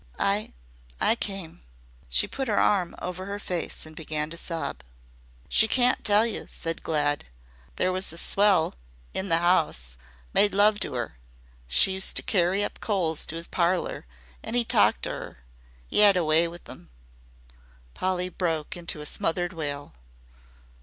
I I came " She put her arm over her face and began to sob. "She can't tell you," said Glad. "There was a swell in the 'ouse made love to her. She used to carry up coals to 'is parlor an' 'e talked to 'er. 'E 'ad a wye with 'im " Polly broke into a smothered wail.